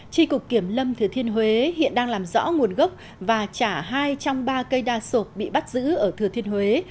tri cục kiểm lâm thừa thiên huế hiện đang làm rõ nguồn gốc và trả hai trong ba cây đa sộp bị bắt giữ ở thừa thiên huế